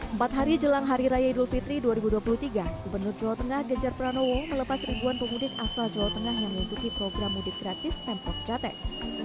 empat hari jelang hari raya idul fitri dua ribu dua puluh tiga gubernur jawa tengah ganjar pranowo melepas ribuan pemudik asal jawa tengah yang mengikuti program mudik gratis pemprov jateng